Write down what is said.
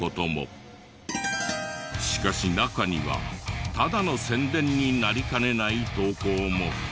しかし中にはただの宣伝になりかねない投稿も。